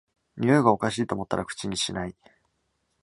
においがおかしいと思ったら口にしない